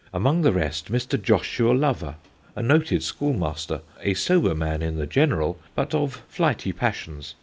Among the rest Mr. Joshua Lover, a noted School Master, a sober man in the general but of flighty Passions.